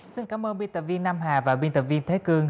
xin cảm ơn biên tập viên nam hà và biên tập viên thế cương